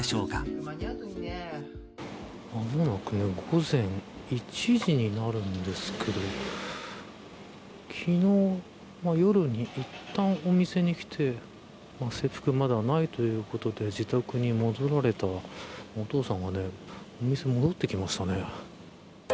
間もなく午前１時になるんですが昨日の夜に、いったんお店に来て制服がまだないということで自宅に戻られたお父さんがお店に戻ってきましたね。